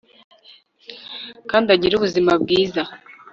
kandi agire ubuzima bwiza